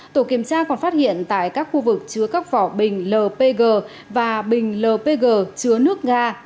tổ kiểm tra còn phát hiện tại các khu vực chứa các vỏ bình lpg và bình lpg chứa nước ga